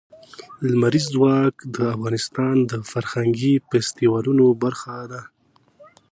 لمریز ځواک د افغانستان د فرهنګي فستیوالونو برخه ده.